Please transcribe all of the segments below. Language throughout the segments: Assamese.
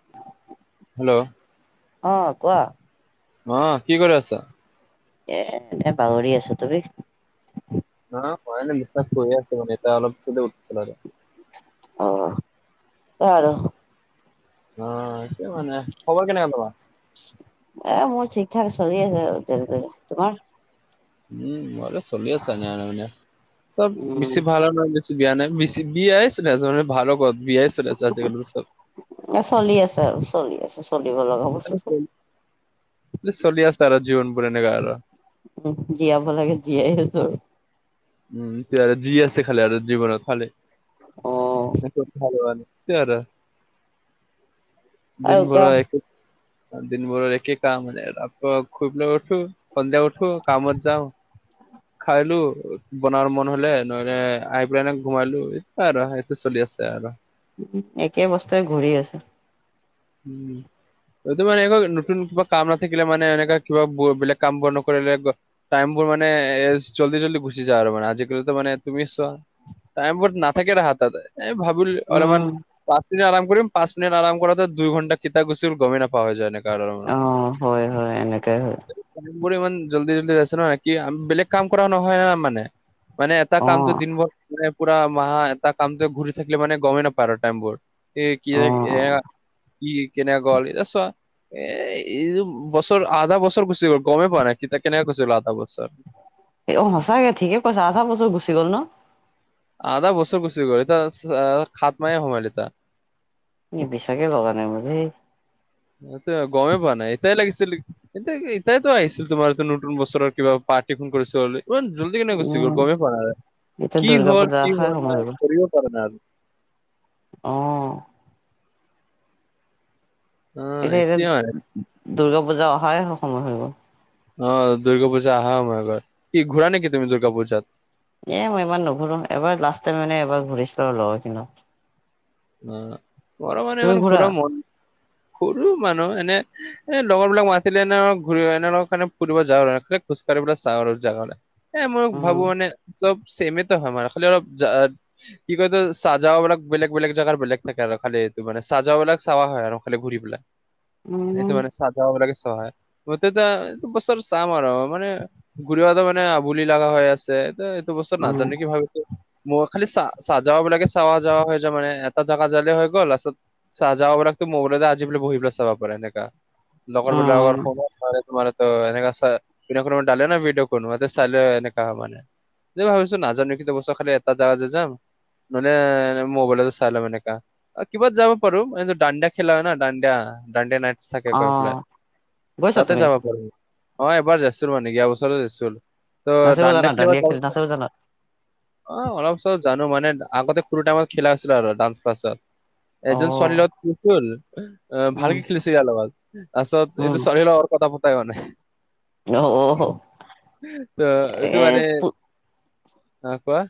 [inaudible] হেল্ল'। অঁ কোৱা? অ কি কৰি আছা? এ এনে বাগৰি আছো তুমি? না হোৱা নাই বিচনাত পৰি আছিলো মানে এতিয়া অলপ চলপ উঠিছি লোগে। অঁ বাৰু। অ কি মানে খবৰ কেনেকুৱা তোমাৰ? এ মোৰ ঠিক ঠাক চলি আছে আৰু তেনেক তোমাৰ? উম মইত চলি আছো ন মানে চব উম বেছি ভাল নহয়। বিয়া নাই মি বিয়াই চলি আছে মানে ভালৰ কত বিয়াই চলি আছে আজিকালি চব। এ চলি আছে আৰু চলি আছে চলিব লগা বস্তু যে। মানে চলি আছে আৰু জীৱন বোৰ এনেকা আৰু। উ জীয়াব লাগে জীয়াই আছো আৰু। উম আৰু যি আছে খালি আৰু জীৱনত খালি অ ভাল। টো আৰু আৰু দিন ভৰা কোৱা এক। দিন ভৰৰ একেই কাম [inaudible] খুব লৈ উঠো। সন্ধিয়া উঠো কামত যাওঁ। খাইলো বনোৱাৰ মন হলে নহ আহ পেলাই এনে ঘুমাইলো এ আৰু সেইটো চলি আছে আৰু। একে বস্তুৱে ঘূৰি আছে। উম। সটো মানেুৱ নতুন কিবা কাম নাথাকিলে মানে এনেককাা কিবা বেলেগ কাম বোৰ নকৰিলে। টাইমবোৰ মানে এ জল্দি জল্দি গুচি যায় আৰু মানে আজিকালি মানে তুমি ছোৱা, টাইম ব না থাকে ৰা হাততে ভাবিম অলপমান উম পাঁচ মিনট আৰম কৰিম পাঁচ মিনিট আৰম কৰাটো। দুই ঘণ্টা কেতিয়া গুচি গল গমে নাপোৱা যায়নেক। অঁ হয় হয় এনেকে হয়। ইমান জল্দি জল্দি আছে ন কি বেলেগ কাম কৰা নহয় ন মানে। মানে এটা অ কামটো দিনবোৰ মে পুৰা মাহা এটা কামটো ঘূৰি থাকিলে মানে গমেই নাপায় টাইমবোৰ। এ কি অ যে এ কি কেনে গল এতিয়া ছোৱা। এ এই বছৰ আধা বছৰ গুচি গ'ল গমেই পোৱা নাই কেতিয়া কেনেকে গুচি গ'ল আধা বছৰ। এ অ সঁচাকে ঠিকেই কৈছা আধা বছৰ গুচি গল ন? আধা বছৰ গুচি গ'ল এতি খাত মায়ে সোমাল এতিয়া। বিশছাকে লগা নাই বে। গমেই পোৱা নাই এতাই লাগিছিল এতিয়া এতাইো আহিছিল তোমাৰটো নতুন বছৰৰ কিবা পাৰ্টি ফোন কৰিছিল বুলি। ইমান জল্দি কেনে গুচি গ'ল উম গমেই পোৱা নাই, এতিয়া কি দুৰ্গা হ'ল, পূজা কি অহাৰ হোৱা সময় হৈ নাই গ'ল ধৰিব পৰা নাই আৰু। অ'। অ এতিয়া মানে এতিয়া দুৰ্গা পূজা অহাযে সময় হৈ গ'ল। অ', দুৰ্গা পূজা অহা সমই হৈ গ'ল কি ঘূৰা নেকি তুমি দুৰ্গা পূজাত। এ মই ইমান নুঘুৰো এবাৰ লাষ্ট টাইম মানে এবাৰ ঘূৰি চু লগৰ কিনা। অ', ঘৰৰ মানে ইমান ঘূৰা মন, ঘূৰো মানুহ এনে। এ লগৰ বিলাক মাতিলে এনে ঘূৰি এনেৰ কাৰণে ফুৰিব যাওঁ খজকাঢ়িবিল চাওঁ আৰু এ মই ভাবো উম, মানে। চব চেমেটো হয় মাৰ খালি অলপ জা কি কো এটো সজাও বিলাক বেলেক বেলেগ জাগাৰ বেলেগ থাকে আৰু খালি এইটো মানে চাজা বিলাক সৱ হৈ আৰু খালি ঘূৰি পেলাই। উম, এইটো মানে চাহ ধা হুবলগে চহায় গুতেত বছৰ সম আৰু মানে ঘূৰিৱা মানে আবুলি লগা হৈ আছে এটো বস্তু উম, নাজানো কি ভালকৈ, মই খালি চা-চা সজাৰ বিলাকে চাৱা যাৱা হুই মানে এটা জাগা জাললে হৈ গ'ল আছ সজাৰ বিলাকতো মোৰ বুকুতে আজিলে বহি পেলাই চাব পাৰে সেনেককা। লগৰ বিলাকৰ উম, ফোন মানে তোমাৰ ত এনে ডালে ন ভডঅ' কোন ম চাই এনেকা মানে। এই ভাবিছো নাজানো কিন্তু বস্তু খালি এটা জাগা যে যাম নহ'লে মোবাইলত চাই ল'ম এনেকা কিবাত যাব পাৰোঁ হেজে দাণ্ডিয়া খেলা দাণ্ডিয়া দাণ্ডিয়া নাই। থাকে ক পেলাই অ'। গৈছা তাতে তুমি? যাবা পাৰ। অ', এবাৰ যাইছিলো মানে কি বছৰতো যাইছিল নাচিব জানা? তদাণ্ডিয়া খেলিব দাণ্ডিয়া যাওঁ খেল নাচিব জানা? আহ অলপ চলপ জানো মানে আগতে কোনো টাইমত খেলা আছিল আৰু ডান্স ক্লাছত। এজন ছোৱালী অ', লগত কচল উম, ভালকে খেলিছ যালগত। তাৰপিছত উম, এইটো ছোৱালী লগত কথা পতা হোৱানাই। অ', অহ তটো এ মানে, অ', কোৱা।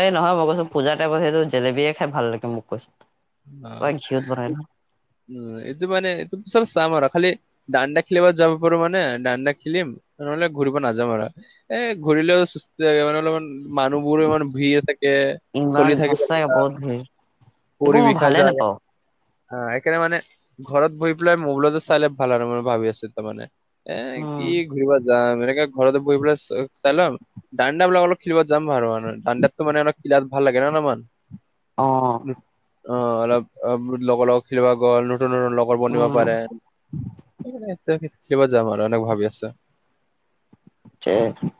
এই নহয় মই কৈছো পূজাৰ টাইমত সেইটো জেলেবিয় খাই ভাল লাগে মোক কৈছো। পুৰা অ', ঘিউত বনাই ন? উম এইটো মানে এইটো চব সম আৰু খালি দাণ্ডিয়া খেলিব যাব পাৰো মানে দাণ্ডিয়া খেলিম নহ'লে ঘূৰিব নাযাম আৰু। এ ঘূৰিলেও চুস্থ থাকে মানে অলপমান মানুহবোৰ ইমান ভিৰ থাকে।। ইমান সঁচাকে বহুত ভিৰ। একো পৰি মই বিষয় ভালে যাই। নাপাওঁ। হা এইকাৰে মানে ঘৰত বহি পেলাই মবোলতো চাইলে ভাল আৰু মই ভাবি আছো তাৰমানে। এ উম, কি ঘূৰিব যাম এনেকে ঘৰতে বহি পেলাই চাইলাম। দাণ্ডিয়া বিলাক অলপ খেলিব যাম আৰু দাণ্ডিয়াটো মানে অলপ খিলাত ভাল লাগে নমান। অ'। অ', অলপ লগৰ লগত খেলিব গ'ল নতুন নতুন লগৰ বনিব উম, পাৰে। এতিয়ািবা যাম আৰু এনেক ভাবি আছছে। [unintelligible]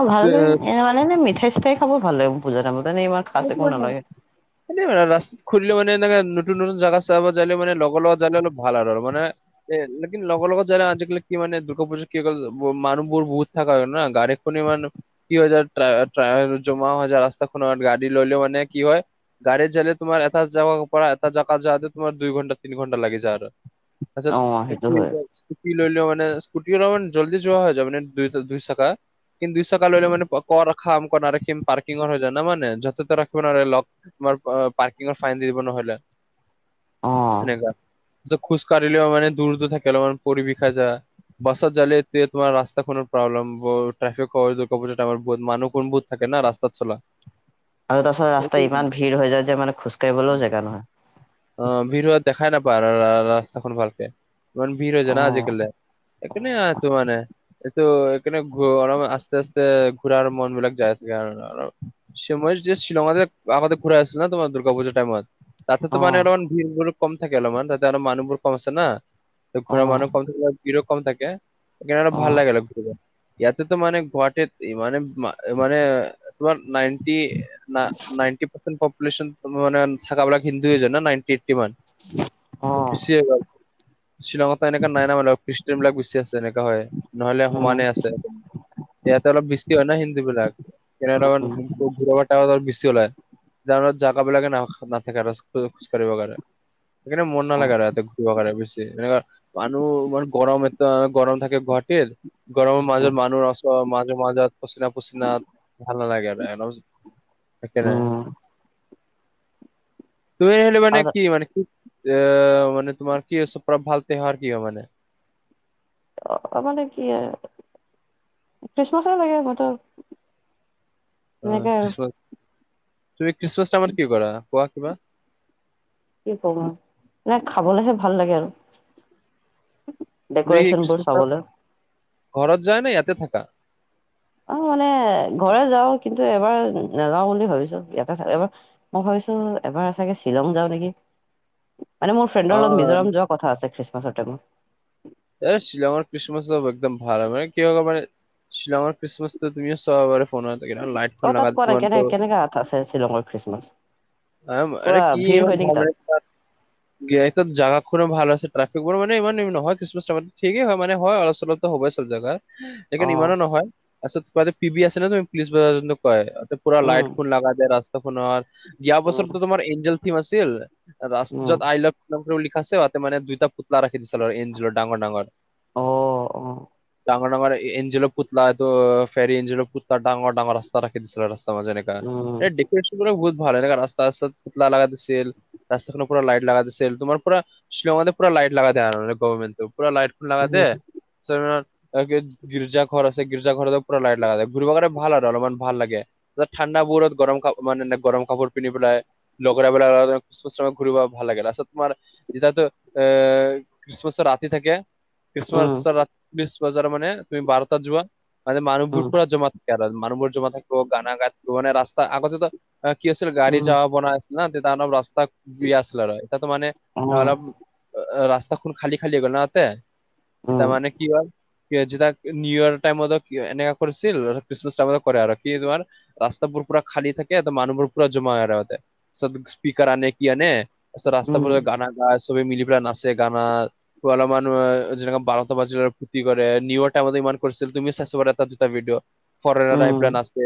অ', ভাল ল এনে মানে এ মিঠাই চিঠাই খাব ভাল লাগে বুজা তিমত এনে ইমান কাষ একো নালাগে। এ ৰাস্তাত খুলে মানে এনেকে নতুন নতুন জগা চাব যাইে মানে লগৰ লগত যালে অলপ ভাল আৰু মানে এ লেকিন লগৰ লগত জায়ে আজিকালি কি মানে দুৰ্গা পুজা কি মানুহবোৰ বহুত থকা হয় না গাড়ীৰ পুনি মান কি হৈ যায় জমা হৈ যায় ৰাস্তাখনৰ গাড়ী ললে মানে কি হয গাডী জেলে তোমাৰ এটা জোগাৰ পৰা এটা জেগাত যওঁতে তোমাৰ দুই ঘণ্টা, তিনি ঘণ্টা লাগি যায় আৰু। অ', তাচত সেইটো হয় কি স্কুটি লৈলেও মান স্কুটি অলমান জল্দি যোৱা হৈ যায় মানে দুই দুই চকা কিন্তু দুই চাকা ললে মানে কৰ ৰখাম কৰ নাৰাখিম পাৰ্কিঙৰ হৈ যায় না মানে য যতে ৰাখিব নোৱাৰে লক তোমাৰ পাৰ্কিঙৰ ফাইন দি দিব নহলে অ', এনেকুৱা খোজকাঢ়িলেও মানে দূৰতত থাকে মানে পৰি বিষাই‌ যা বছত জালে তে তোমাৰ ৰাস্তাখনৰ প্ৰব্লেমবৌৰ ট্ৰাফিক [unintelligible] মানুহ খন বুহুত থাকে ন ৰাস্ তাত চলা আৰু তাৰপাছত এইটো ৰাস্তা ইমান ভিৰ হৈ যায় যে মানে খোজকাঢ়িবলো জেগা নহয় অ ভিৰ হোৱা দেখাই নাপায় আৰু ৰাস্তাখন ভালকে ইমান ভিৰ হৈ যানা অ', আজিকালি একোনাই অ', টো মানে এটো এখানে গো অলপমান আস্তে আ স্তে ঘোৰাৰ মন বিলাক যায় থাকে আৰু আৰু সময় যে শ্বিলংত যে আমতে ঘূৰা আছিল ন তোমাৰ দুৰ্গা পূজাৰ টাইমত ততেতো অ', অলমান ভিৰবোৰো কম থাকে অলপমান তাতে আৰু মানুহবোৰ কম আছে না ঘূৰা অ', মানুহ কম থাকে ভিৰো কম থাকে সেকানে অলপ ভাল অ', লাগে লা ঘূৰিব ইয়াতেতো মানে গুৱাহাটীত ইমানে মানে তোমাৰ নাইনটি নাইনটি পাৰ্চেট পপোশলিচন ত মই মানে থাকাবিলাক হিন্দু জানা নাইননি এইটি মান অ গুচায়ে গ'ল শ্বিলঙত এনেকা নাই নাই মানে খ্ৰীষ্টিয়ান বিলাক বেছি আছে যেনেকা হয় নহলে উম, সমানে আছে ইয়াতে অলপ বেছি হয় ন হিন্দু বিলাক উম, [unintelligible] বছি ওলায়ৰ জাগাব বিলাকে নাথাকে আৰু স্কে খোজ কাঢ়ি বাৰে সেইে মন উম, নালাগে আৰু এতে বেছি মনে [unintelligible] মানুহ মান গৰম এ গৰম থাকে ঘটে গৰমৰ উম, মাজত মানুহচচ মাজে মাজত পচিনা পচিনাত ভাল ন লাগে আৰু সেইকাৰণে [unintelligible] লৈ আহিলোঁ মানে আৰু কি মানে কি আহ মানে তোমাৰ কি ভাল হয়‌ কি তিয়হাৰ কি মানে অ অ মানে কি খ্ৰীষ্টমাছৰ লাগৈ মইতো অ এনেকে আৰু খ্ৰীচম তুমি খ্ৰীচমাছ টাইম কি কৰা কোৱা কিবা কি কম আও খাবলৈহে ভাল লাগে আৰু তুমি ডেক'ৰেচনবোৰ খ্ৰীষ্টমছ চাবলৈ। ঘৰত যায় না ইয়াতে থাকা অ মানে ঘৰে যাও কিন্তু এবাৰ নাযাও বুলি ভাবিছো ইয়াতে এবাৰ মই ভাবিছো এবাৰ চাগে শ্বিলং যাওঁ নেকি মানে মোৰ ফ্ৰেণ্ডৰ লগত অ মিজোৰাম যোৱা কথা আছে খ্ৰীষ্টমাছৰ টাইমত। এই শ্বিলঙৰ খ্ৰীষ্টমাছ একদম ভাল হয় মানে কি হ'ব পাৰে শ্বিলং খ্ৰীষ্টমাছ টো তুমিও চাবা পৰা ফোনত এইকেইটা লাইট অ তাত কোৱা নাই কেনে [unintelligible] কেনেকা আছে শ্বিলঙৰ খ্ৰীষ্টমাছ। অহ আৰে পুৰা কি ভিৰ হয় নেকি ইমান তাত [unintelligible] এই জাগা খনে ভাল আছে ট্ৰেফিক কৰ মানে ইমান নহয় কিছু ঠিকেই হয় মানে হয় অলপ চলপ ত সবই জেগাই। অ লেকিন ইমানো নহয় আছত পি বি আছে ন তুমি পুলিছ বজা যোনটো কয় পুৰা উম লাইট ফুল লগা দিয়েয ৰাস্তা খনৰ ইয়াৰ উম বছৰতো তোমাৰ এঞ্জেল থিম আছিল। ৰাছ উম য'ত আই লাভ ইউ লিখা আছে আও ইয়াতে মানে দুয়োটা পুতলা ৰাখি দিছিল আৰু এঞ্জেলৰ ডাঙৰ ডাঙৰ অ অ ডাঙৰ ডাঙৰ এঞ্জেলৰ পুতলাটো ফেৰি এঞ্জেলৰ পুতলা ডাঙৰ ডাঙৰ ৰাস্তাত ৰাখি দিছিল উম [unintelligible] এ ডেকৰেচন বহুত ভাল এনেকা ৰাস্ত ৰাস্তাত লাগা থৈছিল। ৰাস্তাতনো পুৰা লাইট লাগা থৈছিল, তোমাৰ পুৰা শ্বিলঙতে পুৰা লাইট লাগা [unintelligible] গভাৰমেনটো পুৰা লাইট লাগা দে উম [unintelligible] গিৰ্জা ঘৰ আছে গিৰ্জা ঘৰতো পুৰা লাইট লাগা দে, ঘূৰিব কাৰণে ভাল আৰু অলপমান ভাল লাগে, পিছত ঠাণ্ডাবোৰত গৰম কাপ মানে এনে গৰম কাপোৰ পিন্ধিবলৈ আহে। লগৰাবেলা [unintelligible] ঘূৰিব ভাল লাগে, লাষ্টত তোমাৰ [unintelligible] কিচমাচৰ ৰাতি থাকে খ্ৰীষ্টমাছ উম [unintelligible] বজাৰ মানে তুমি বাৰটাত যোৱা মানে মানুহবোৰ উম পুৰা জমা গেদাজ, মানুহবোৰ জমা থাকিব, গানা গাই থাকিব মানে ৰাস্তা আগতেতো কি আছিল গাড়ী উম যাৱা বনাই আছিল না তেতিয়া অলপ ৰাস্তা বেয়া আছিল আৰু এতিয়াতো মানে অ অলপ ৰাস্তাখন খালী খালী হৈ গ'নাওতে, এতিয়া উম মানে কি হ'ল যেতিয়া নিউ ইয়াৰ টাইমত এনেকা কৰিছিল, খ্ৰীষ্টমাছ টাইমত কৰে আৰু কি তোমাৰ ৰাস্তাবোৰ পুৰা খালী থাকে ত' মানুহবোৰ পুৰা জমা হয় ইয়াৰ আগতে পিছত স্পিকাৰ আনে কি আনে পিছত উম ৰাস্তাবোৰে গানা আ, চবেই মিলি পেলাই নাচে গানা ত' অলপমান মা জেনেকা বাৰটা বাজিলে তি কৰে, নিউ অৰ টাইমতে [unintelligible] ফৰেনাৰ আহি পেলাই উম নাচে,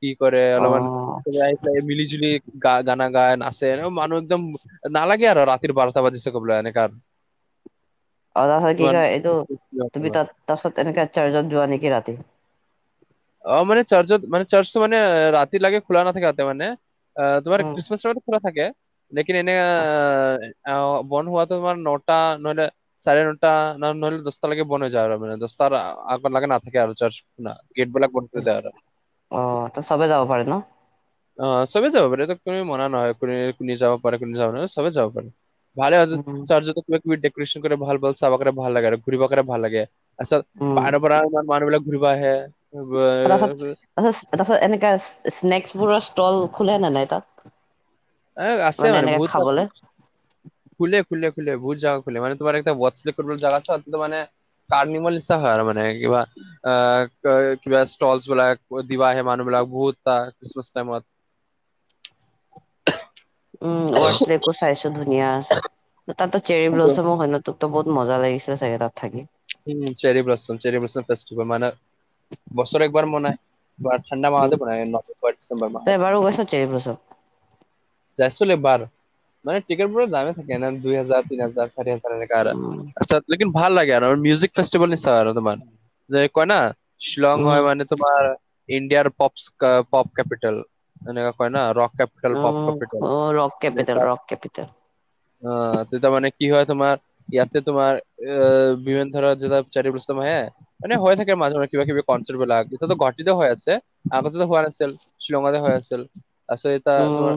কি কৰে অ অলপমান পেলাই মিলি জুলি গা-গানা গায়, নাচে মানুহ একদম নালাগে আৰু ৰাতিৰ বাৰটা বাজিছে কবলৈ এনেকা [unintelligible] কি কয় এইটো তোমাৰ তুমি তাত তাৰপাছত এনেকে চাৰ্জত যোৱা নেকি ৰাতি? অ' মানে চাৰ্চত মানে চাৰ্চটো মানে ৰাতি লাগে খোলা নাথাকে তাতে মানে। আ, তোমাৰ উম খ্ৰীষ্টমাছৰ খোলা থাকে লেকিন এনে অ' বন্ধ হোৱাটো তোমাৰ নটা নহ'লে চাৰে নটা ন-নহ'লে দহটা লাগে বন হৈ যায় আৰু মানে দহটাৰ আগত লাগে নাথাকে আৰু [unintelligible] গেইটবিলাক অ' ত' চবেই যাব পাৰে ন'? অ' চবেই যাব পাৰে এইটো কোনো মনা নয়নে কোনে যাব পাৰে কোনে যাব নাৰে, চবেই যাব পাৰে। ভালে হ'ল উম চাৰ্জত [unintelligible] তুমি কুইট ডেক'ৰেচন কৰি ভাল পোৱা, চাবা কাৰণে ভাল লাগে আৰু ঘূৰিব কাৰণে ভাল লাগে। তাৰছত উম, বাহিৰৰপৰা ইমান মানুহবিলাক ঘূৰিব আহে [unintelligible] তাৰ তাৰাছত এনেকা স্নেকছবোৰৰ ষ্টল খোলে নে নাই তাত? এ মানে এনেকে খাবলৈ। খুলে খুলে খুলে বহুত জাগা খুলে, মানে তোমাৰ এটা [unintelligible] কাৰ্ণিবল ইচ্ছা হয় আৰু মানে কিবা আ, কিবা ষ্টলছবিলাক দিব আহে মানুহবিলাক বহুত খ্ৰীষ্টমাছ টাইমত। [inaudible] উম, ৱাৰ্ছ লেকো চাইছোঁ ধুনীয়া আছে, তাতো চেৰি ব্লচমো হয় ন'? তততো বহুত মজা লাগিছে চাগে তাত থাকি? উম, cherry blossom cherry blossom festival মানে বছৰে একবাৰ মনাই, ঠাণ্ডা মাহতে মনাই, নৱেম্বৰ ডিচেম্বৰ মাহত। চেৰিব্লচম যাই চলে একবাৰ। মানে টিকেটবোৰ দামেই থাকে না, দুই হাজাৰ, তিন হাজাৰ, চাৰি হাজাৰ এনেকা আৰু উম, তাৰছত লেকিন ভাল লাগে আ মিউজিক ফেষ্টিভেল নি চাই আৰু তোমাৰ, যে কয় না শ্বিলং উম, হয় মানে তোমাৰ ইণ্ডিয়াৰ পপছ আ, পপ কেপিটেল এনেকে কয় না ৰক কেপিটেল পপ উ, capital rock capital, rock capital. অ' তেতিয়া মানে কি হয় তোমাৰ, ইয়াতে তোমাৰ এ বিভেন ধৰা যেতাপ চাৰি বৈশম হে মানে হৈ থাকে মাজে মাজে কিবা কিবি কনচাৰ্টবিলাক এতাটো ঘটিতে হৈ আছে আগতেটো নাছ- ছিল শ্ৰীলংকাতে হৈ আছিল, আছে এতিয়া উম, তোমাৰ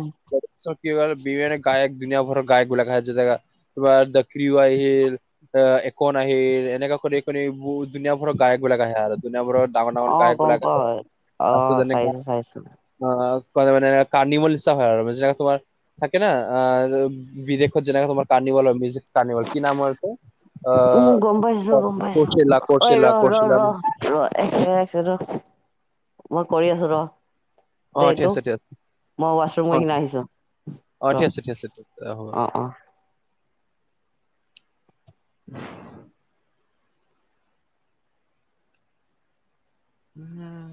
চ কি বাৰে বিভেনে গায়ক দুনীয়া ভৰৰ গায়কবিলাক আহে, যেতিয়া গা- কিবা দাক্ৰিও আহিল আ একন নাহিল এনেকুৱা কৰি কৰি বো দুনীয়া ভৰৰ গায়ক বিলাক আহে আৰ দুুনীয়া ভৰত ডাঙৰ ডাঙৰ অ' গম গায়কবিলাক আহে, পাওঁ। আছো অ' তেনেকুৱা চাইছো চাইছো অ কৰমানে কান্দি নিচানা হয় আৰ মাজে তাকত তোমাৰ থাকে ন আহ বিদেশত যেনেকে তোমাৰ কাৰ্ণিভল হ'ল মিউজিক কাৰ্নিভল কি নামৰ এইটো অ উম, গম পাইছো গম পাইছো কৰ্চিলা অই কৰ্চিলা ৰ ৰ কৰ্চিলা ৰ ৰ এক ছেকেণ্ড এক ছেকেণ্ড ৰ, মই কৰি আছো ৰ। অ দেই ঠিক এইটো আছে ঠিয়াত মই ৱাছৰুম অ, গৈ কিনে আহিছো অ ৰ। ঠিক আছে ঠিক আছে, অ হ'ব। উহু।